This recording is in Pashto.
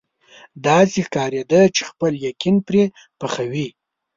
داسې ښکارېده چې خپل یقین پرې پخوي.